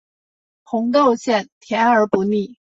红豆馅甜而不腻